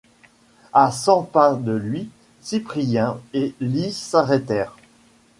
À cent pas de lui, Cyprien et Lî s’arrêtèrent.